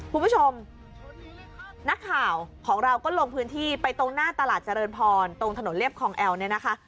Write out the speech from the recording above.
คุณผู้ชมนักข่าวของเราก็ลงพื้นที่ไปตรงหน้าตลาดเจริญพรตรงถนนเรียบคลองแอลเนี่ยนะคะ